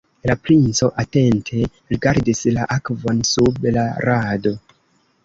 La princo atente rigardis la akvon sub la rado.